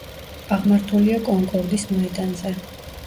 აღმართულია კონკორდის მოედანზე.